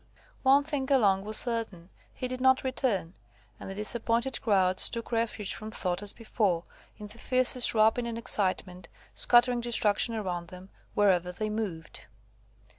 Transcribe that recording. One thing along was certain, he did not return; and the disappointed crowds took refuge from thought as before, in the fiercest rapine and excitement, scattering destruction around them, wherever they moved.